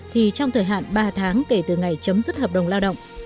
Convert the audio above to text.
thì trong thời hạn ba tháng kể từ ngày chấm dứt hợp đồng lao động